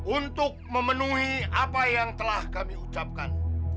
untuk memenuhi apa yang telah kami ucapkan